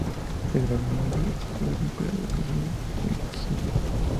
Se graduó en la prestigiosa escuela de actuación Juilliard.